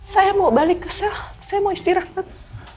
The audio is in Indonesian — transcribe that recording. saya mau balik ke sel saya mau istirahat